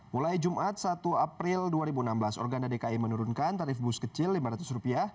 mulai jumat satu april dua ribu enam belas organda dki menurunkan tarif bus kecil rp lima ratus